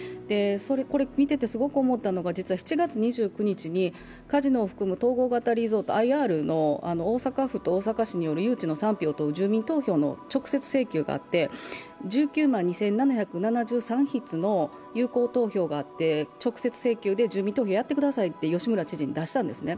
これ、見ててすごく思うのは実は７月２９日にカジノを含む統合型リゾート、ＩＲの大阪府と大阪市による誘致の賛否についての住民投票の直接請求があって１９万２７７３筆の有効投票があって直接請求で住民投票をやってくださいと吉村知事に出したんですね。